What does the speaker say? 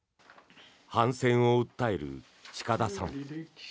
反戦を訴える近田さん。